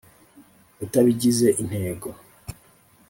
utabigize intego.